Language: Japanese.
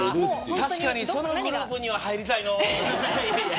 そのグループには入りたいな。